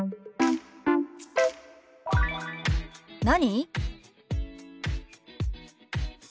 「何？」。